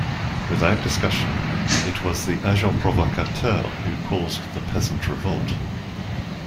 Without discussion, it was the agents provocateurs who caused the Peasant Revolt.